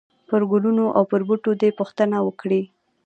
پرګلونو او پر بوټو دي، پوښتنه وکړئ !!!